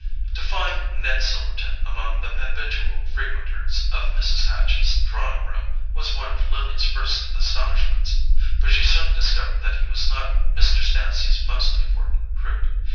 To find Ned Silverton among the habitual frequenters of Mrs. Hatch's drawing room was one of Lily's first astonishments; but she soon discovered that he was not Mr. Stancy's most important recruit.